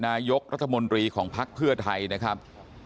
นายกรัฐมนตรีของภักดิ์เพื่อไทยนะครับ